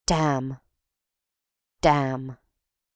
"Damn!" "Damn!"